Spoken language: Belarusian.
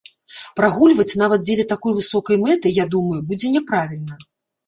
Прагульваць нават дзеля такой высокай мэты, я думаю, будзе няправільна.